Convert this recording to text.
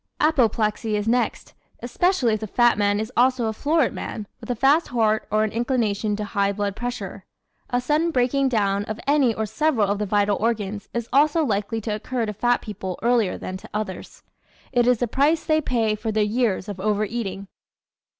Apoplexy comes next, especially if the fat man is also a florid man with a fast heart or an inclination to high blood pressure. A sudden breaking down of any or several of the vital organs is also likely to occur to fat people earlier than to others. It is the price they pay for their years of over eating.